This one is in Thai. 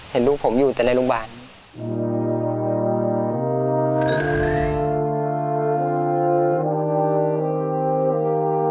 เห็นลูกผมอยู่แต่ในโรงพยาบาล